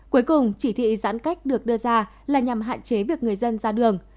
cuối cùng chỉ thị giãn cách được đưa ra là nhằm hạn chế việc người dân ra đường